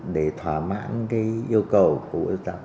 để thỏa mãn cái yêu cầu